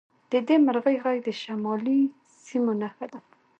د دې مرغۍ غږ د شمالي سیمو نښه ده